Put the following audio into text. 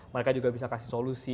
mereka juga bisa kasih solusi